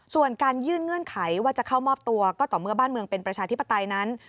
ส่วนการยื่นเงื่อนไขว่าจะเข้ามอบตัวก็ต่อเมื่อบ้านเมืองเป็นประชาธิปไตยนั้น